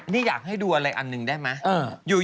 นี่อยากให้ดูอะไรอันหนึ่งได้ไหม